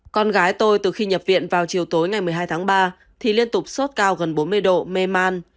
con gái tôi từ khi nhập viện vào chiều tối ngày một mươi hai tháng ba thì liên tục sốt cao gần bốn mươi độ mê man